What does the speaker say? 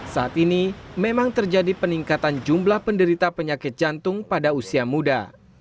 saat ini memang terjadi peningkatan jumlah penderita penyakit jantung pada usia muda